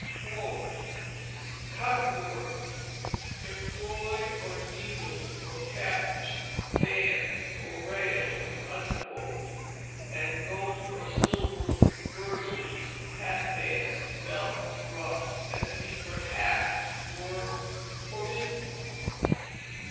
"Cut works, imbroidd or needle or capps bands & rayles," and gold or silver girdles, hat bands, belts, ruffs, and beaver hats were forbidden.